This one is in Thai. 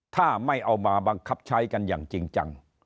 ถ้าไม่เอามาบังคับใช้กันอย่างจริงจัง